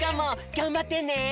がんばってね！